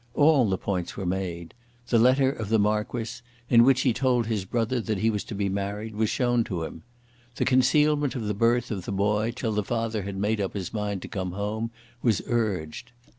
All the points were made. The letter of the Marquis, in which he told his brother that he was to be married, was shown to him. The concealment of the birth of the boy till the father had made up his mind to come home was urged.